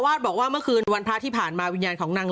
บอกว่าเมื่อคืนวันพระที่ผ่านมาวิญญาณของนาง